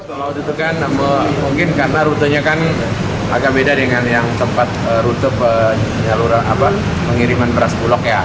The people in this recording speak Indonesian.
tol laut itu kan mungkin karena rutenya kan agak beda dengan yang tempat rute penyaluran pengiriman beras bulog ya